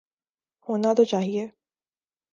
ہونا تو چاہیے۔